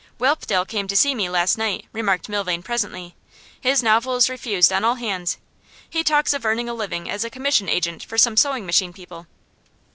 'Whelpdale came to see me last night,' remarked Milvain, presently. 'His novel is refused on all hands. He talks of earning a living as a commission agent for some sewing machine people.